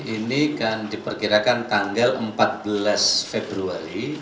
ini kan diperkirakan tanggal empat belas februari